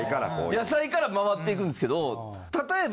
野菜から回っていくんですけど例えば。